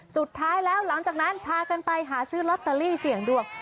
สุดท้ายแล้วหลังจากนั้นพากันไปหาซื้อลอตเตอรี่เสี่ยงดวง